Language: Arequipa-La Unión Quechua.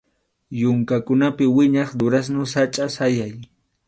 Yunkakunapi wiñaq durazno sachʼa sayay.